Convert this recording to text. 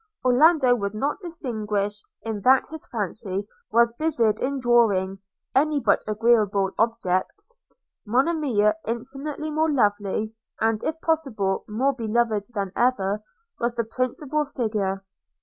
Orlando would not distinguish, in that his fancy was busied in drawing, any but agreeable objects – Monimia infinitely more lovely, and, if possible, more beloved than ever, was the principal figure.